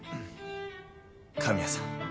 「神谷さん